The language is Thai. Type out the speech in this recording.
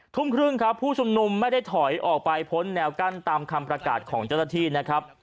ทุ่มครึ่งครับผู้ชุมนุมไม่ได้ถอยออกไปพ้นแนวกั้นตามคำประกาศของเจ้าหน้าที่นะครับ